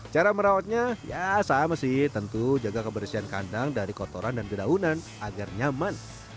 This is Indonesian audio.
cara merawatnya ya sama sih tentu jaga kebersihan kandang dari kotoran dan dedaunan agar nyaman